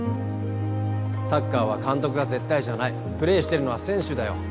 サッカーは監督が絶対じゃないプレーしてるのは選手だよ